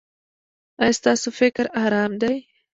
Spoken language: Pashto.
ایا ستاسو فکر ارام دی؟